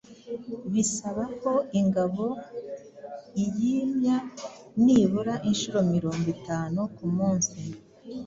bisaba ko ingabo iyimya nibura inshuro mirongo itanu ku munsi